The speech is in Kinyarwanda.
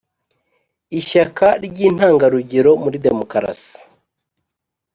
Ishyaka ry’intangarugero muri demokarasi